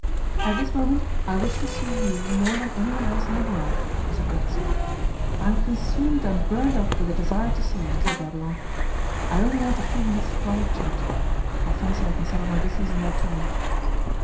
'At this moment I wish to see you more than anyone else in the world,' said Racksole. 'I am consumed and burnt up with a desire to see you, Mr Babylon. I only want a few minutes' quiet chat. I fancy I can settle my business in that time.